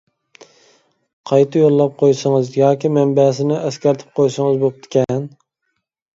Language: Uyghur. قايتا يوللاپ قويسىڭىز ياكى مەنبەسىنى ئەسكەرتىپ قويسىڭىز بوپتىكەن.